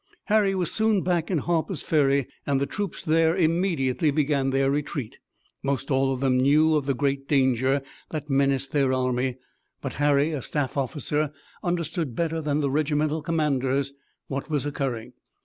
Harry was soon back in Harper's Ferry, and the troops there immediately began their retreat. Most all of them knew of the great danger that menaced their army, but Harry, a staff officer, understood better than the regimental commanders what was occurring.